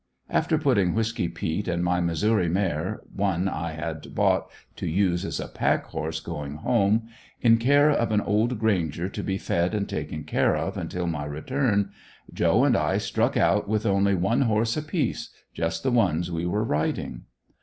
After putting Whisky peet and my "Missouri" mare, one I had bought to use as a pack horse going home, in care of an old granger to be fed and taken good care of until my return, Joe and I struck out with only one horse apiece just the ones we were riding.